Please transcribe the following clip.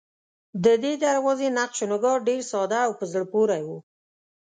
ددې دروازې نقش و نگار ډېر ساده او په زړه پورې و.